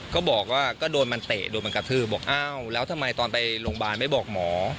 ก็บอกว่าก็โดนมันเตะโดนมันกระทืบบอกอ้าวแล้วทำไมตอนไปโรงพยาบาลไม่บอกหมอ